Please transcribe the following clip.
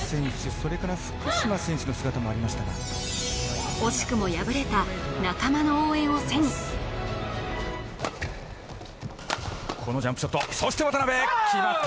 それから福島選手の姿もありましたが惜しくも敗れた仲間の応援を背に決まった